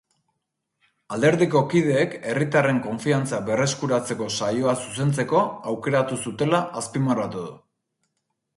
Alderdiko kideek herritarren konfiantza berreskuratzeko saioa zuzentzeko aukeratu zutela azpimarratu du.